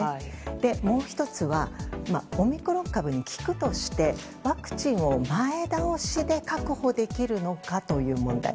もう１つはオミクロン株に効くとしてワクチンを前倒しで確保できるのかという問題。